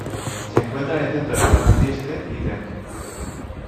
Se encuentra en el centro de la Plaza Trieste y Trento.